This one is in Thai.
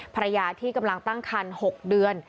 ภรรยาที่กำลังตั้งคัน๖เดือน